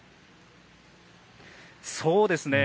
そうですね。